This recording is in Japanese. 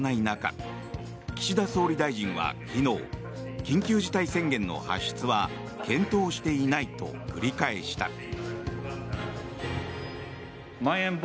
中岸田総理大臣は昨日緊急事態宣言の発出は検討していないと繰り返した。